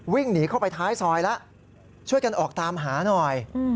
วิ่งหนีเข้าไปท้ายซอยแล้วช่วยกันออกตามหาหน่อย